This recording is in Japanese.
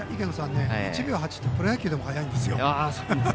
１秒８ってプロ野球でも速いんですよ。